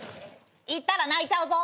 「行ったら泣いちゃうぞ。